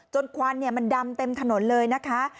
ควันมันดำเต็มถนนเลยนะคะ